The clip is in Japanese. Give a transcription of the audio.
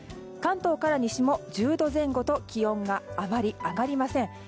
関東から西も１０度前後と気温があまり上がりません。